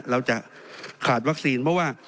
เราจะขาดวัคซีนเพราะว่า